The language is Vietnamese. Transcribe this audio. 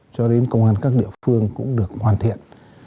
cho đến công an các địa phương cũng được hoàn thiện